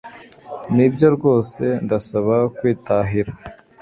nibyo rwose ndasaba kwitahira